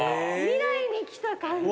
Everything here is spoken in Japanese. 未来に来た感じ。